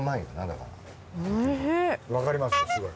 わかりますよすごい。